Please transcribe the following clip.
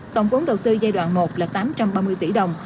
tổng vốn đầu tư giai đoạn một là tám trăm ba mươi tỷ đồng